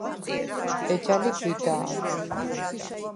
ეჯა ლი გვიდა̄ნ.